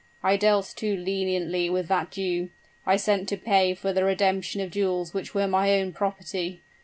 I dealt too leniently with that Jew I sent to pay for the redemption of jewels which were my own property!